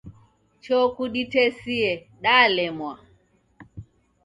Choo kuditesie, dalemwa